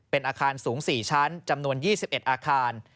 เป็นอาคารสูง๔ชั้นจำนวน๒๑อาคาร